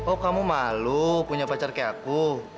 oh kamu malu punya pacar kayak aku